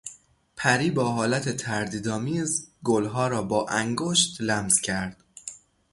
پری با حالت تردیدآمیز گلها را با انگشت لمس کرد.